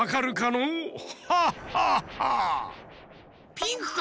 ピンクか？